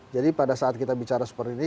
jadi pada saat kita bicara seperti ini